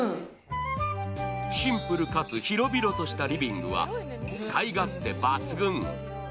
シンプルかつ広々としたリビングは使い勝手抜群。